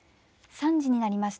３時になりました。